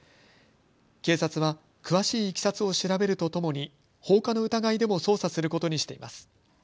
警察は詳しいいきさつを調べるとともに放火の疑いでも捜査することにしています。